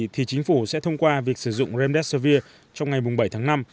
thì chính phủ sẽ thông qua việc sử dụng ramdesir trong ngày bảy tháng năm